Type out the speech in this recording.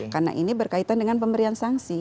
karena ini berkaitan dengan pemberian sanksi